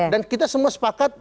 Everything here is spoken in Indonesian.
dan kita semua sepakat